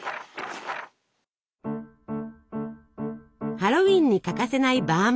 ハロウィーンに欠かせないバーン